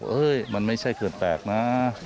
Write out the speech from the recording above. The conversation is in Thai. มันไม่ใช่เขื่อนแปลกนะ